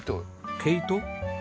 毛糸？